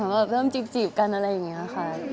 แบบเริ่มจีบกันอะไรอย่างนี้ค่ะ